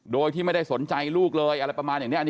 โดยที่ไม่ได้สนใจลูกเลยอะไรประมาณอย่างนี้